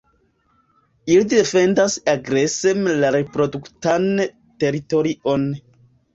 Ili defendas agreseme la reproduktan teritorion.